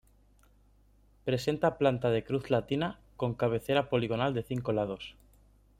Presenta planta de cruz latina con cabecera poligonal de cinco lados.